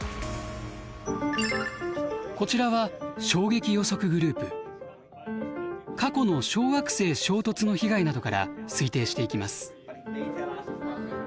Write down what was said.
こちらは過去の小惑星衝突の被害などから推定していきます。